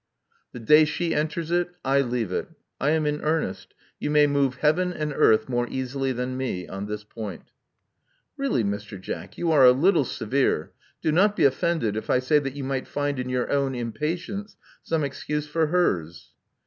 "The day she enters it, I leave it. I am in earnest. You may move heaven and earth more easily than me — on this point." "Really, Mr. Jack, you are a little severe. Do not be offended if I say that you might find in your own impatience some excuse for hers.'